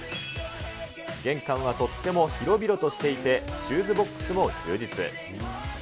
玄関はとっても広々としていて、シューズボックスも充実。